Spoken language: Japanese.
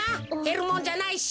へるもんじゃないし。